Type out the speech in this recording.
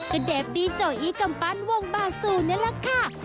ก็เดบบี้โจอี้กำปั้นวงบาซูนั่นแหละค่ะ